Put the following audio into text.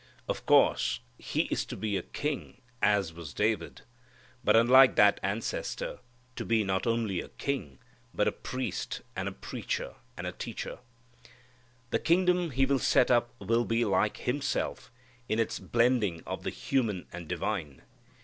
Of course He is to be a king as was David, but unlike that ancestor, to be not only a king, but a priest, and a preacher and teacher. The kingdom he will set up will be like Himself in its blending of the human and divine.